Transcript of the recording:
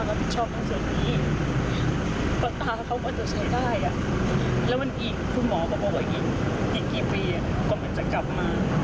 อย่างกี่ปีก็มันจะกลับมา